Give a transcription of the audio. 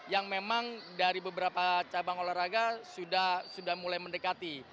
yang memang dari beberapa cabang olahraga sudah mulai mendekati